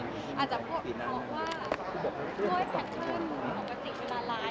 อาจจะบอกว่าโยชน์แฟคชั่นเราติดเวลาร้าย